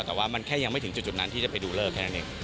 แต่ว่ามันแค่ยังไม่ถึงจุดนั้นที่จะไปดูเลิกแค่นั้นเอง